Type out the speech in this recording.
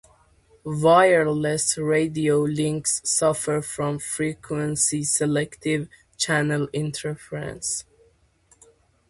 Wireless radio links suffer from frequency-selective channel interference.